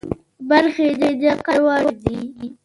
برخې د قدر وړ دي.